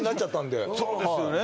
そうですよね